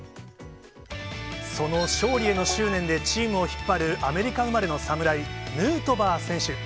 その勝利への執念でチームを引っ張るアメリカ生まれの侍、ヌートバー選手。